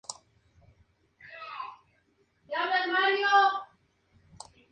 Varias partes del del lago se excavaron como parte de un sistema de canales.